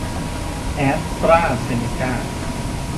แอสตร้าเซนเนก้า